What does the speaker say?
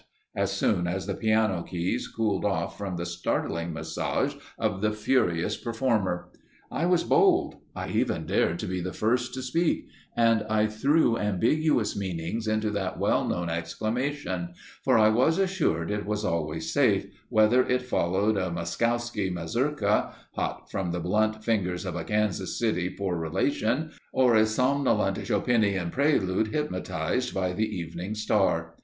as soon as the piano keys cooled off from the startling massage of the furious performer. I was bold. I even dared to be the first to speak, and I threw ambiguous meanings into that well known exclamation, for I was assured it was always safe, whether it followed a Moskowski mazurka hot from the blunt fingers of a Kansas City poor relation, or a somnolent Chopinian prelude hypnotized by the evening star.